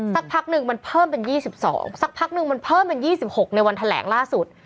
สักพักหนึ่งมันเพิ่มเป็น๒๒สักพักนึงมันเพิ่มเป็น๒๖ในวันแถลงล่าสุด